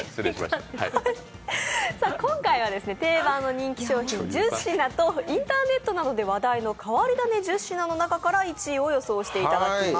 今回は定番の人気商品１０品とインターネットなどで話題の変わり種１０品の中から１位を予想していただきます。